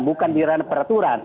bukan di ranah peraturan